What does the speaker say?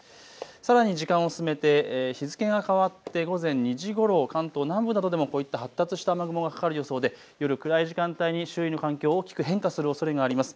さらに時間を進めて日付が変わって午前２時ごろ、関東南部などでもこういった発達した雨雲がかかる予想で夜暗い時間帯に周囲の環境、大きく変化するおそれがあります。